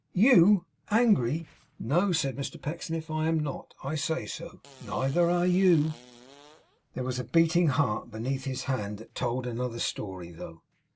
'YOU angry!' 'No,' said Mr Pecksniff, 'I am not. I say so. Neither are you.' There was a beating heart beneath his hand that told another story though.